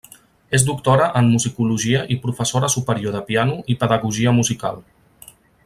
És doctora en musicologia i professora superior de piano i pedagogia musical.